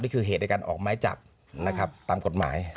นี่คือเหตุในการออกหมายจับนะครับตามกฎหมาย